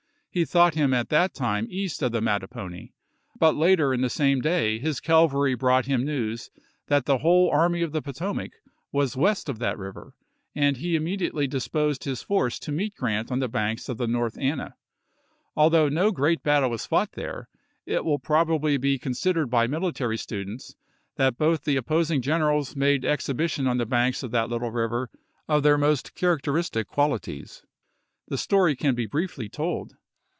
He thought him at that time east of the Mattapony ; but later in the same day his cavalry brought him news that the whole Army of the Potomac was west of that river, and he immediately disposed his force to meet Grant on the banks of the North Anna. Although no great battle was fought there, it will probably be considered by military students that both the op posing generals made exhibition on the banks of that little river of their most characteristic quali ties. The story can be briefly told.